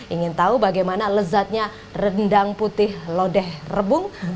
ingin tahu bagaimana lezatnya rendang putih lodeh rebung